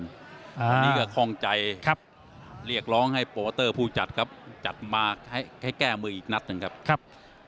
ที่มีก่อนคล่องใจเรียกร้องให้ประวัตเตอร์ผู้จัดจัดมาให้แก้มืออีกนัดหนึ่งครับ